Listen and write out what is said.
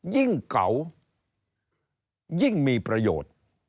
ยิ่งเก่ายิ่งมีประโยชน์